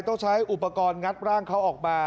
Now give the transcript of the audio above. ต้องใช้อุปกรณ์งัดร่างเขาออกมา